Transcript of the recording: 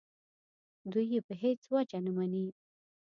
دوی یې په هېڅ وجه نه مني.